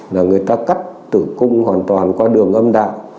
là người ta cắt tử cung hoàn toàn qua đường âm đạo